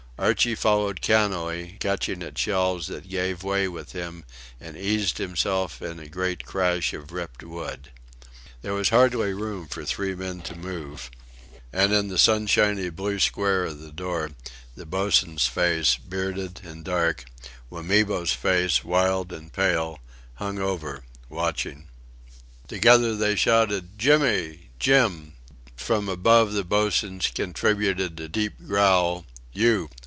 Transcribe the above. Archie followed cannily, catching at shelves that gave way with him, and eased himself in a great crash of ripped wood. There was hardly room for three men to move. And in the sunshiny blue square of the door, the boatswain's face, bearded and dark, Wamibo's face, wild and pale, hung over watching. Together they shouted: "Jimmy! Jim!" From above the boatswain contributed a deep growl: "You.